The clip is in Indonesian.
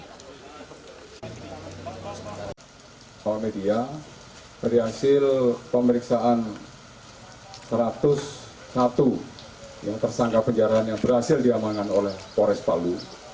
kepala media dari hasil pemeriksaan satu ratus satu tersangka penjarahan yang berhasil diamankan oleh pores palu